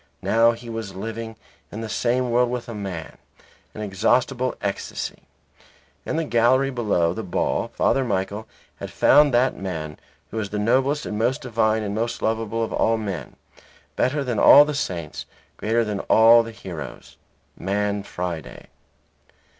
Now he was living in the same world with a man; an inexhaustible ecstasy. In the gallery below the ball Father Michael had found that man who is the noblest and most divine and most lovable of all men, better than all the saints, greater than all the heroes man Friday.